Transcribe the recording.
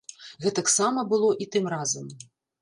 Гэтаксама было і тым разам.